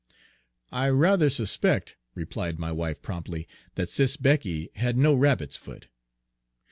Page 160 "I rather suspect," replied my wife promptly, "that Sis' Becky had no rabbit's foot."